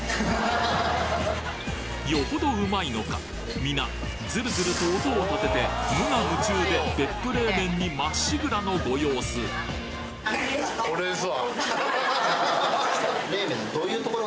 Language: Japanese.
よほどうまいのか皆ズルズルと音を立てて無我夢中で別府冷麺にまっしぐらのご様子違います？